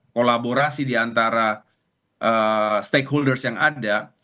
kolaborasi diantara stakeholders yang ada